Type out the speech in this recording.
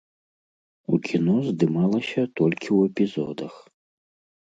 У кіно здымалася толькі ў эпізодах.